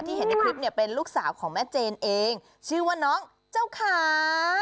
เห็นในคลิปเนี่ยเป็นลูกสาวของแม่เจนเองชื่อว่าน้องเจ้าขา